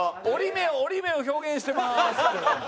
「折り目を表現してまーす」。